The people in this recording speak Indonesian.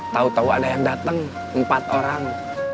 tahu tahu ada yang datang empat orang